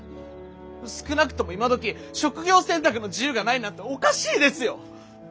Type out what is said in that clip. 少なくとも今どき職業選択の自由がないなんておかしいですよ！